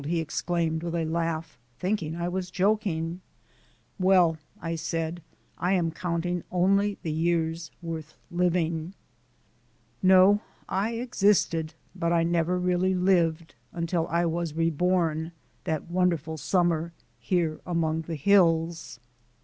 he exclaimed with a laugh, thinking I was joking. "Well," I said, "I am counting only the years worth living." No; I existed, but I never really lived until I was reborn, that wonderful summer here among these hills.